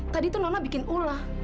tadi tuh nona bikin ula